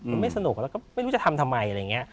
มันไม่สนุกแล้วก็ไม่รู้จะทำทำไมอะไรอย่างนี้